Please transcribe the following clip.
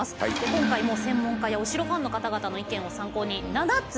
今回も専門家やお城ファンの方々の意見を参考に７つ城を選びました。